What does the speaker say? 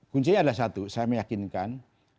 kuncinya adalah satu saya meyakinkan